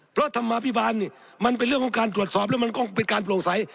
เพราะธรรมาภิบาลนี่มันเป็นเรื่องของการตรวจสอบแล้วมันก็เป็นการโปร่งใส